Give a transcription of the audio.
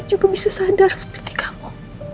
aku bisa sadar seperti kamu